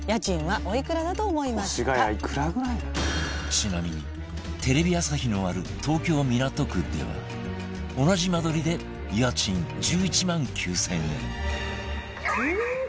ちなみにテレビ朝日のある東京港区では同じ間取りで家賃１１万９０００円